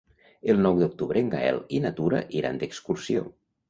El nou d'octubre en Gaël i na Tura iran d'excursió.